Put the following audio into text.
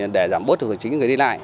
để giảm bốt thực tế của chính người đi lại